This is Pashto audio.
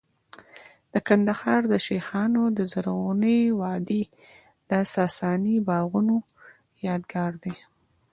د کندهار د شیخانو د زرغونې وادۍ د ساساني باغونو یادګار دی